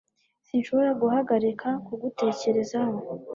Sinshobora guhagarika ku gutekerezaho